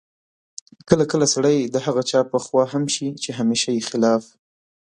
کله کله سړی د هغه چا په خوا هم شي چې همېشه یې خلاف